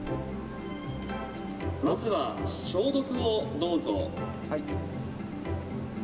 まずは消毒をどうぞ。